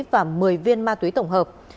và một mươi viên ma túy tổng hợp